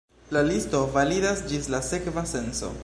La listo validas ĝis la sekva censo.